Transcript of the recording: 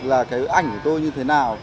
là cái ảnh của tôi như thế nào